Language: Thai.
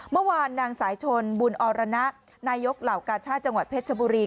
เมื่อวานนางสายชนบุญอรณะนายกเหล่ากาชาติจังหวัดเพชรชบุรี